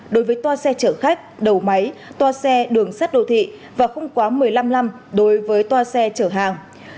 đối với toa xe chở khách đầu máy toa xe đường sắt đô thị và không quá một mươi năm năm đối với toa xe chở hàng